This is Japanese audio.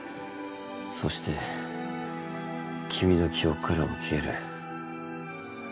そして君の記憶からも消える。